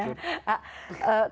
jangan jadi hancur